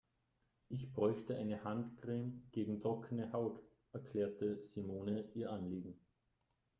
"Ich bräuchte eine Handcreme gegen trockene Haut", erklärte Simone ihr Anliegen.